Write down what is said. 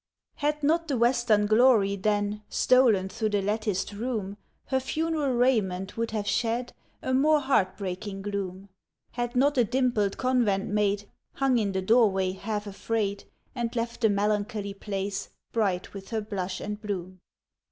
Had not the western glory then Stolen through the latticed room, Her funeral raiment would have shed A more heart breaking gloom; Had not a dimpled convent maid Hung in the doorway, half afraid, And left the melancholy place Bright with her blush and bloom!